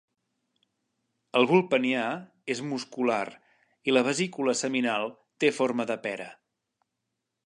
El bulb penià és muscular i la vesícula seminal té forma de pera.